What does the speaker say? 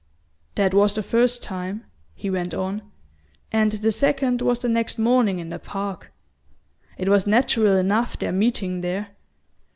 "That was the first time," he went on; "and the second was the next morning in the park. It was natural enough, their meeting there.